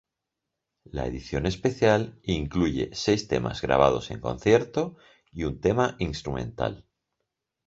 La edición especial incluye seis temas grabados en concierto y un tema instrumental.